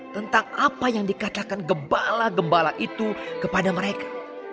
tentang apa yang dikatakan gembala gembala itu kepada mereka